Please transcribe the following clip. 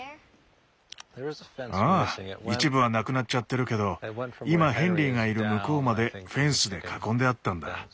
ああ一部はなくなっちゃってるけど今ヘンリーがいる向こうまでフェンスで囲んであったんだ。